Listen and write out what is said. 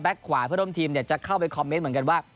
ขวาเพื่อร่วมทีมจะเข้าไปคอมเมนต์เหมือนกันว่า